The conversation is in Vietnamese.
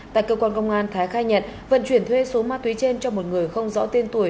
tại cơ quan công an thái khai nhận vận chuyển thuê số ma túy trên cho một người không rõ tiên tuổi